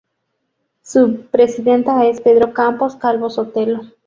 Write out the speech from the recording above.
Su presidente es Pedro Campos Calvo-Sotelo.